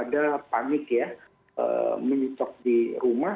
tidak perlu ada panik ya menyetok di rumah